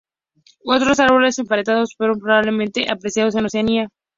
Otros árboles emparentados fueron probablemente apreciados en Oceanía.